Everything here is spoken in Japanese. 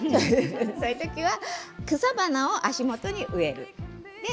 そういう時は草花を足元に植える。